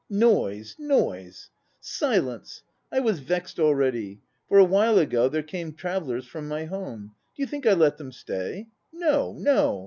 Noise, noise! Silence! I was vexed already. For a while ago there came travellers from my home! Do you think I let them stay? No, no.